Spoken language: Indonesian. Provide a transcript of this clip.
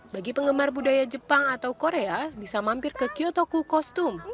bagi penggemar budaya jepang atau korea bisa mampir ke kyotoku kostum